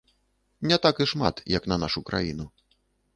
Не так і шмат, як на нашу краіну.